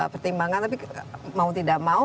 pertimbangan tapi mau tidak mau